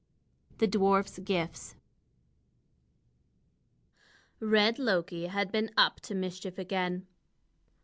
THE DWARF'S GIFTS Red Loki had been up to mischief again!